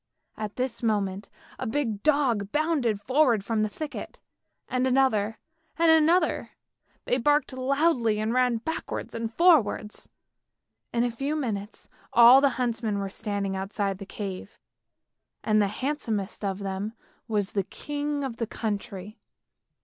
At this moment a big dog bounded forward from the thicket, THE WILD SWANS 47 and another and another, they barked loudly and ran backwards and forwards. In a few minutes all the huntsmen were standing outside the cave, and the handsomest of them was the king of the country.